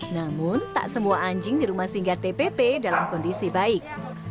namun tak semua anjing di rumah singgah tpp dalam kondisi baik